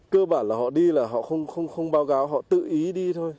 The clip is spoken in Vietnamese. cơ bản là họ đi là họ không báo cáo họ tự ý đi thôi